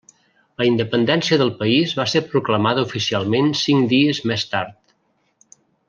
La independència del país va ser proclamada oficialment cinc dies més tard.